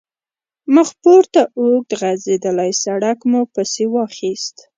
مخپورته اوږد غځېدلی سړک مو پسې واخیست.